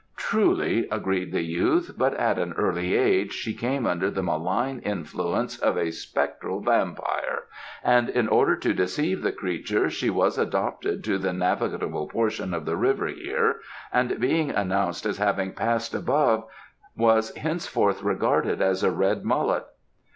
"Truly," agreed the youth, "but at an early age she came under the malign influence of a spectral vampire, and in order to deceive the creature she was adopted to the navigable portion of the river here, and being announced as having Passed Above was henceforth regarded as a red mullet."